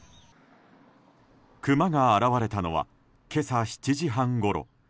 クマが現れたのは今朝７時半ごろ。